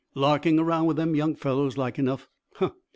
Larking around with them young fellows, like enough. Huh!